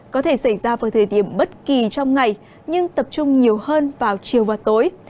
có thể xảy ra vào thời điểm bất kỳ trong ngày nhưng tập trung nhiều hơn vào chiều và tối